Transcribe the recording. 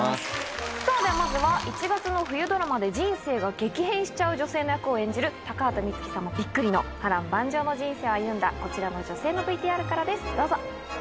ではまずは１月の冬ドラマで人生が激変しちゃう女性の役を演じる高畑充希さんもビックリの波乱万丈の人生を歩んだこちらの女性のＶＴＲからですどうぞ。